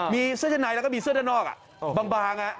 มีเสื้อทางในแล้วก็มีเสื้อทางนอกบาง